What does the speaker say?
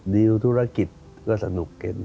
ดีลธุรกิจก็สนุกกัน